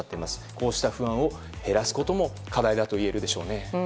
こうした不安を減らすことも課題だといえるでしょうね。